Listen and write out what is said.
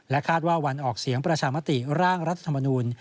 คาดว่าวันออกเสียงประชามติร่างรัฐธรรมนูล